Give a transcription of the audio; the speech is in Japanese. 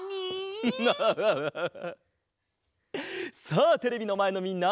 さあテレビのまえのみんな！